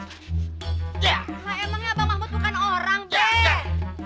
emangnya bang mahmut bukan orang be